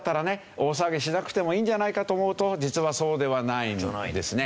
大騒ぎしなくてもいいんじゃないかと思うと実はそうではないんですね。